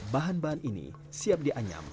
bahan bahan ini siap dianyam